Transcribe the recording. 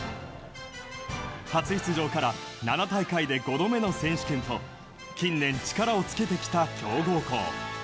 初出場から７大会で５度目の選手権と近年力をつけてきた強豪校。